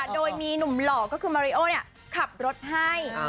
โดยมีหนุ่มหล่อก็คือมาริโอขับรถให้